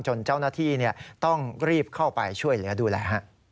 เจ้าหน้าที่ต้องรีบเข้าไปช่วยเหลือดูแล